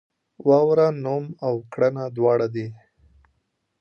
واوره نوم او کړنه دواړه دي.